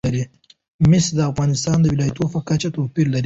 مس د افغانستان د ولایاتو په کچه توپیر لري.